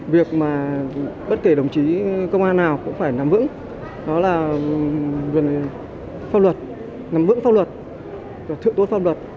việc mà bất kể đồng chí công an nào cũng phải nằm vững đó là pháp luật nằm vững pháp luật thượng tốt pháp luật